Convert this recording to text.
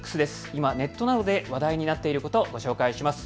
今ネットなどで話題になっていることをご紹介します。